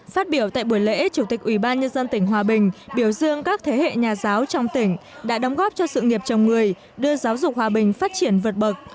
phát biểu tại buổi lễ chủ tịch ủy ban nhân dân tỉnh hòa bình biểu dương các thế hệ nhà giáo trong tỉnh đã đóng góp cho sự nghiệp chồng người đưa giáo dục hòa bình phát triển vượt bậc